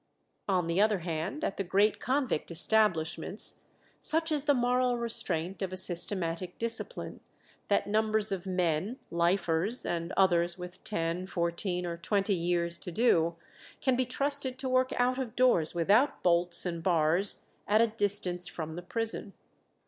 On the other hand, at the great convict establishments, such is the moral restraint of a systematic discipline, that numbers of men, "lifers," and others with ten, fourteen, or twenty years to do, can be trusted to work out of doors without bolts and bars at a distance from the prison.